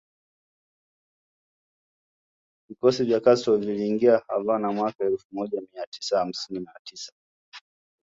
Vikosi vya Castro viliingia Havana mwaka elfu moja mia tisa hamsini na tisa